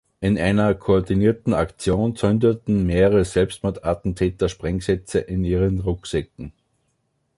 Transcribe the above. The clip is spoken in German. In einer koordinierten Aktion zündeten mehrere Selbstmordattentäter Sprengsätze in ihren Rucksäcken.